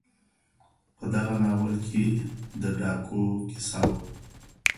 په دغه ناول کي د ډاکو کیسه وه.